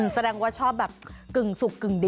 แสดงว่าชอบแบบกึ่งสุกกึ่งดิ